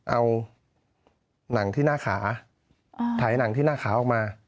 เอาหนังที่หน้าขาถ่ายหนังที่หน้าขาออกมา